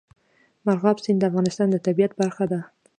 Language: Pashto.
مورغاب سیند د افغانستان د طبیعت برخه ده.